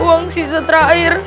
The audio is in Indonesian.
uang sisa terakhir